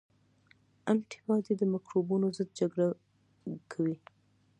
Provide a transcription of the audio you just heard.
انټي باډي د مکروبونو ضد جګړه کوي